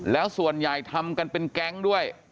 แล้วส่วนใหญ่ทำกันเป็นแก๊งด้วย